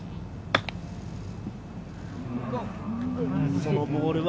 そのボールは。